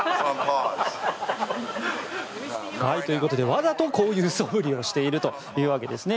わざとこういうそぶりをしているというわけですね。